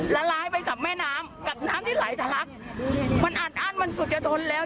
ละลายไปกับแม่น้ำกับน้ำที่ไหลทะลักมันอัดอั้นมันสุจทนแล้ว